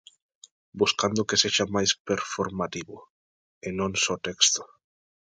Buscando que sexa máis performativo, e non só texto.